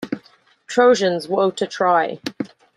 Trojans, woe to Troy!